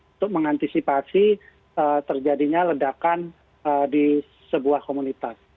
untuk mengantisipasi terjadinya ledakan di sebuah komunitas